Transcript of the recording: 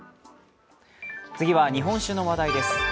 次は日本酒の話題です。